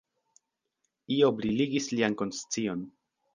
Io briligis lian konscion.